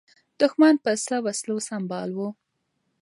دښمن په څه وسلو سمبال و؟